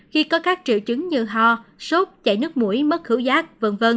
khi có các triệu chứng như ho sốt chảy nước mũi mất khứu giác v v